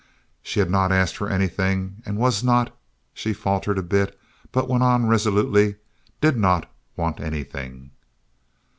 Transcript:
She had not asked for anything, and was not " she faltered a bit, but went on resolutely "did not want anything."